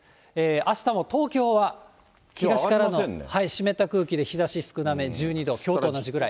あしたも東京は東からの湿った空気で日ざし少な目、１２度、きょうと同じぐらい。